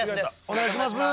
お願いします。